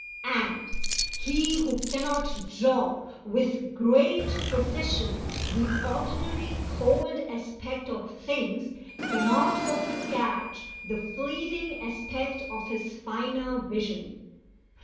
And he who cannot draw with great precision the ordinary cold aspect of things cannot hope to catch the fleeting aspect of his finer vision.